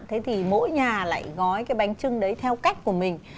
thế thì mỗi nhà lại gói cái bánh trưng đấy theo cách của mình